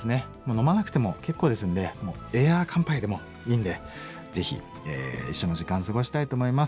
飲まなくても結構ですんでエア乾杯でもいいんでぜひ一緒の時間過ごしたいと思います。